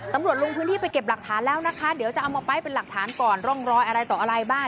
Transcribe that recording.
ลงพื้นที่ไปเก็บหลักฐานแล้วนะคะเดี๋ยวจะเอามาไปเป็นหลักฐานก่อนร่องรอยอะไรต่ออะไรบ้าง